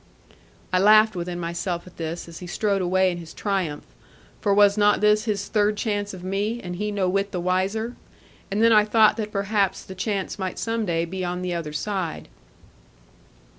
I laughed within myself at this, as he strode away in his triumph; for was not this his third chance of me, and he no whit the wiser? And then I thought that perhaps the chance might some day be on the other side.